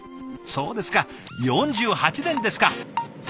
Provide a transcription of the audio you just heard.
そうですか４８年ですか。